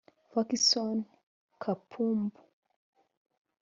Fackson Kapumbu